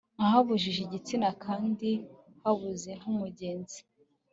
Nkabahuje igitsina kandi bahuze nkumugezi